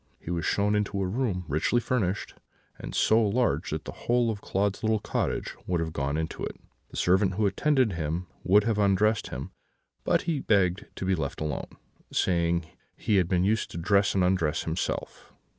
He was shown into a room richly furnished, and so large that the whole of Claude's little cottage would have gone into it. The servant who attended him would have undressed him; but he begged to be left alone, saying he had been used to dress and undress himself.